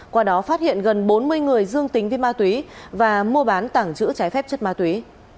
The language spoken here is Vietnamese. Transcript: qua đó phát hiện gần bốn mươi người dương tính với ma túy và mua bán tảng chữ trái phép chất ma túy